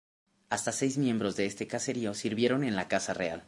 Hasta seis miembros de este caserío sirvieron en la Casa Real.